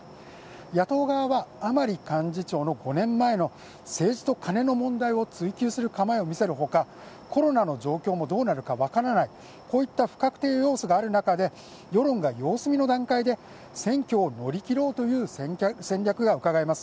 野党側は、甘利幹事長の５年前の政治とカネの問題を追及する構えを見せるほか、コロナの状況もどうなるか分からない、こういった不確定要素がある中で、世論が様子見の段階で選挙を乗り切ろうという戦略がうかがえます。